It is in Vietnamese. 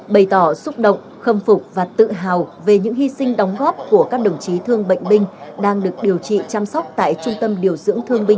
bày tỏ xúc động khâm phục và tự hào về những hy sinh đóng góp của các đồng chí thương bệnh binh đang được điều trị chăm sóc tại trung tâm điều dưỡng thương binh